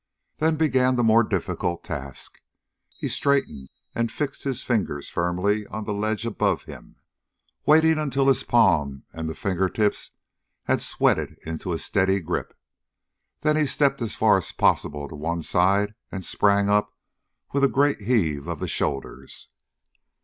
Then began the more difficult task. He straightened and fixed his fingers firmly on the ledge above him, waiting until his palm and the fingertips had sweated into a steady grip. Then he stepped as far as possible to one side and sprang up with a great heave of the shoulders.